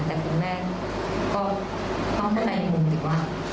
แต่คุณแม่เขาเข้าในวังสิวะ